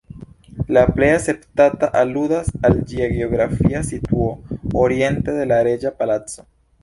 La plej akceptata aludas al ĝia geografia situo, oriente de la Reĝa Palaco.